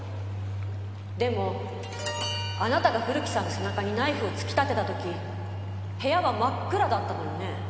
でもあなたが古木さんの背中にナイフを突き立てた時部屋は真っ暗だったのよね？